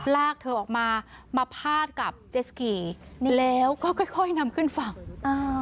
ลากเธอออกมามาพาดกับเจสกีแล้วก็ค่อยค่อยนำขึ้นฝั่งอ่า